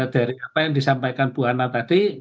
dari apa yang disampaikan bu hana tadi